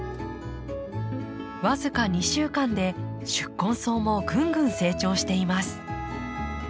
僅か２週間で宿根草もぐんぐん成長しています。